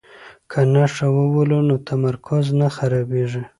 که نښه وولو نو تمرکز نه خرابیږي.